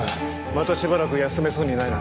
またしばらく休めそうにないな。